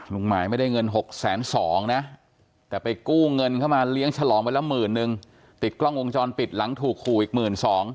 ลุงสมายไม่ได้เงิน๖แสน๒นะแต่ไปกู้เงินเข้ามาเลี้ยงฉลองไปละหมื่นหนึ่งติดกล้องวงจรปิดหลังถูกขู่อีกหมื่นสอง